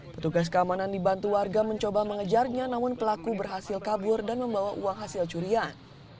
petugas keamanan dibantu warga mencoba mengejarnya namun pelaku berhasil kabur dan membawa uang hasil curian